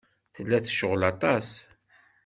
Tella tecɣel aṭas.